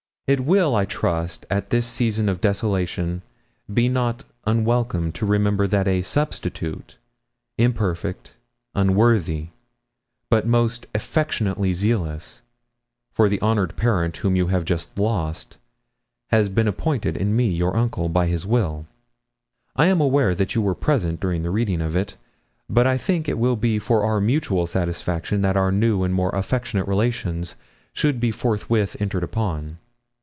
It will, I trust, at this season of desolation, be not unwelcome to remember that a substitute, imperfect unworthy but most affectionately zealous, for the honoured parent whom you have just lost, has been appointed, in me, your uncle, by his will. I am aware that you were present during the reading of it, but I think it will be for our mutual satisfaction that our new and more affectionate relations should be forthwith entered upon.